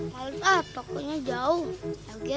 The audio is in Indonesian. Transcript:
malut ah pokoknya jauh